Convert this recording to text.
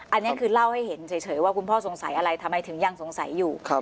อันนี้คือเล่าให้เห็นเฉยว่าคุณพ่อสงสัยอะไรทำไมถึงยังสงสัยอยู่